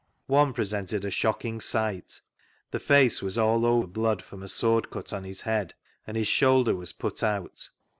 One p>resented a shocking sight— the face was all over blood from a sword cut on his head, and his shoulder was put out.